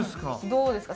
どうですか？